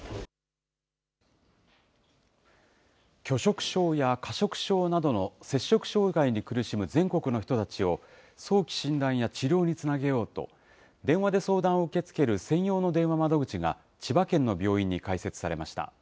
拒食症や過食症などの摂食障害に苦しむ全国の人たちを早期診断や治療につなげようと、電話で相談を受け付ける専用の電話窓口が、千葉県の病院に開設されました。